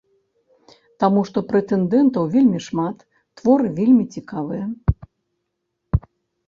Таму што прэтэндэнтаў вельмі шмат, творы вельмі цікавыя.